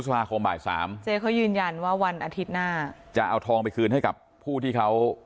ภาคมบ่ายสามเจ๊เขายืนยันว่าวันอาทิตย์หน้าจะเอาทองไปคืนให้กับผู้ที่เขา